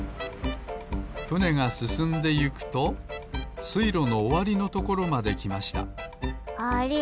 ふねがすすんでゆくとすいろのおわりのところまできましたあれ？